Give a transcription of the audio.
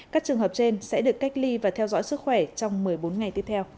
các trường hợp trên sẽ được cách ly và theo dõi sức khỏe trong một mươi bốn ngày